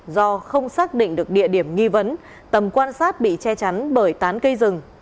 do không xác định được địa điểm nghi vấn tầm quan sát bị che chắn bởi tán cây rừng